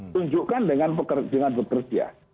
tunjukkan dengan bekerja